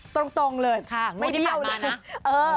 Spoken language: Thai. ตรงเลย